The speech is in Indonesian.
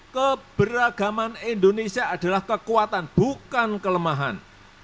keberagaman indonesia adalah kekuatan bukan kelemahan